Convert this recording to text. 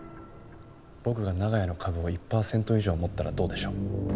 僕が長屋の株を１パーセント以上持ったらどうでしょう？